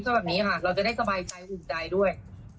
แบบนี้ค่ะเราจะได้สบายใจอุ่นใจด้วย